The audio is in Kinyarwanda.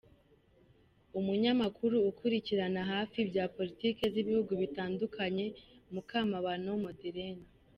Umunyamakuru ukurikiranira hafi ibya politiki z’ibihugu bitandukanye, Mukamabano Madeleine